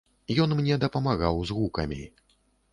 Ён мне дапамагаў з гукамі.